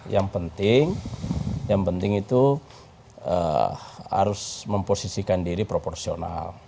yang penting yang penting itu harus memposisikan diri proporsional